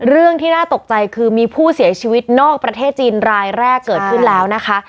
เรื่องที่น่าตกใจคือมีผู้เสียชีวิตนอกประเทศจีนรายแรกเกิดขึ้นแล้วนะคะ